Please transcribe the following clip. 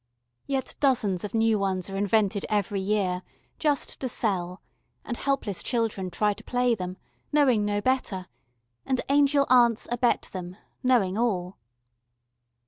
Yet dozens of new ones are invented every year, just to sell, and helpless children try to play them, knowing no better, and angel aunts abet them, knowing all.